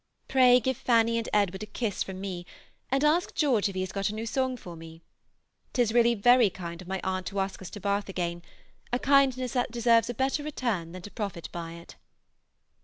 Pray give Fanny and Edward a kiss from me, and ask George if he has got a new song for me. 'Tis really very kind of my aunt to ask us to Bath again; a kindness that deserves a better return than to profit by it.